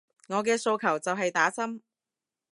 我嘅訴求就係打針